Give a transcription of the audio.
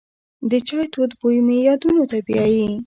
د چای تود بوی مې یادونو ته بیایي.